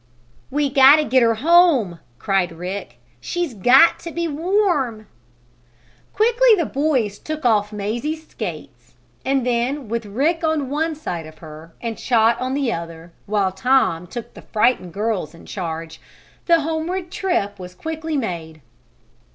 "We got to get her home!" cried Rick. "She's got to be warm!" Quickly the boys took off Mazie's skates, and then, with Rick on one side of her and Chot on the other, while Tom took the other frightened girls in charge, the homeward trip was quickly made.